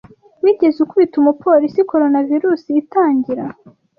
Wigeze ukubita umupolice Coronavirus itangira